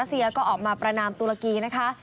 เซียก็ออกมาประนามตุรกีนะคะ